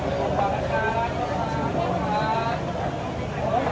อยู่ที่ชนะแทไก่สำหรับหลายบนจักร